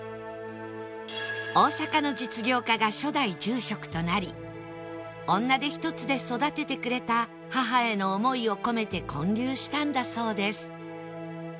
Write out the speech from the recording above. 大阪の実業家が初代住職となり女手一つで育ててくれた母への思いを込めて建立したんだそうです